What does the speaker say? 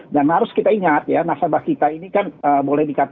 harus kita ingat ya nasabah kita ini kan boleh dikatakan